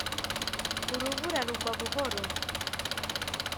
urubura rugwa buhoro,